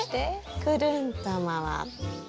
くるんと回って。